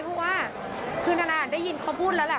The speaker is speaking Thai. เพราะว่าคือนานได้ยินเขาพูดแล้วแหละ